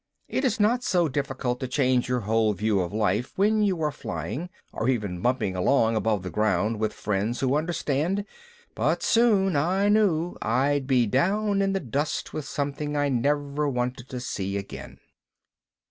It is not so difficult to change your whole view of life when you are flying, or even bumping along above the ground with friends who understand, but soon, I knew, I'd be down in the dust with something I never wanted to see again.